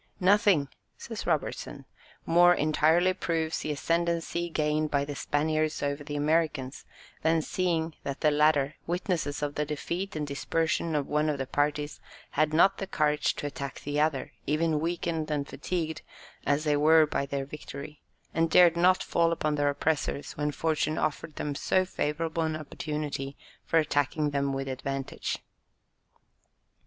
"Nothing," says Robertson, "more entirely proves the ascendancy gained by the Spaniards over the Americans, than seeing that the latter, witnesses of the defeat and dispersion of one of the parties, had not the courage to attack the other, even weakened and fatigued as they were by their victory, and dared not fall upon their oppressors when fortune offered them so favourable an opportunity for attacking them with advantage."